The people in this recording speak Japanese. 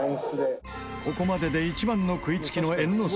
ここまでで一番の食いつきの猿之助